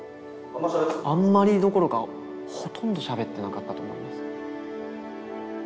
あんまりどころかほとんどしゃべってなかったと思います。